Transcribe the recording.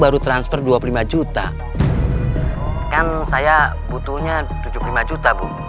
bu buat transfer ke rumah saya nggak bisa nge report lagi ya kalau aku mau mau mau mau mau mau mau